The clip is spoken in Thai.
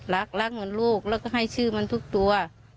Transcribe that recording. รักรักเหมือนลูกแล้วก็ให้ชื่อมันทุกตัว